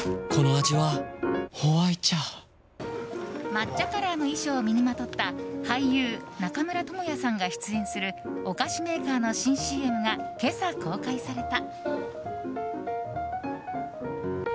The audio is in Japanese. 抹茶カラーの衣装を身にまとった俳優・中村倫也さんが出演するお菓子メーカーの新ＣＭが今朝公開された。